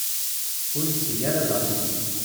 Ur iyi-tteg ara d aɣilif.